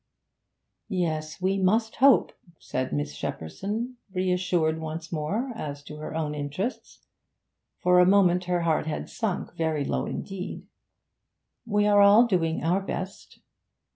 'Yes, we must hope,' said Miss Shepperson, reassured once more as to her own interests; for a moment her heart had sunk very low indeed. 'We are all doing our best.'